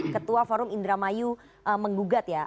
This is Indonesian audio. ketua forum indramayu menggugat ya